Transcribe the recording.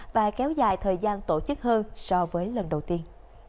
và kéo dài thời gian tổ chức hơn so với lần đầu tiên